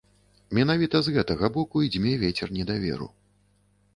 Менавіта з гэтага боку і дзьме вецер недаверу.